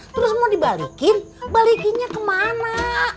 terus mau dibalikin balikinnya kemana